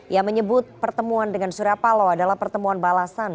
yang menyebut pertemuan dengan suryapalo adalah pertemuan balasan